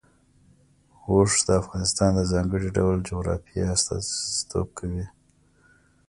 اوښ د افغانستان د ځانګړي ډول جغرافیه استازیتوب کوي.